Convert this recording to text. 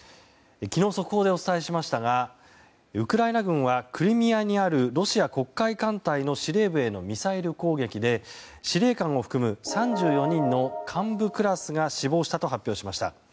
昨日、速報でお伝えしましたがウクライナ軍はクリミアにあるロシア黒海艦隊の司令部へのミサイル攻撃で、司令官を含む３４人の幹部クラスが死亡したと発表しました。